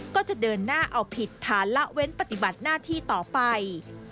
ก็จะเดินหน้าเอาผิดฐานละเว้นปฏิบัติหน้าที่ต่อไป